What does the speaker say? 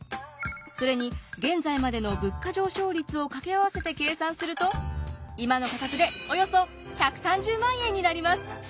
それに現在までの物価上昇率を掛け合わせて計算すると今の価格でおよそ１３０万円になります。